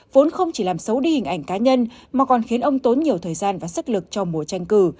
vốn không chỉ làm xấu đi hình ảnh cá nhân mà còn khiến ông tốn nhiều thời gian và sức lực cho mùa tranh cử